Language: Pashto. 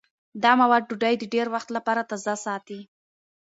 دا مواد ډوډۍ د ډېر وخت لپاره تازه ساتي.